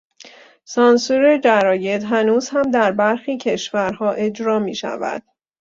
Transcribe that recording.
سانسور جراید هنوز هم در برخی کشورها اجرا میشود.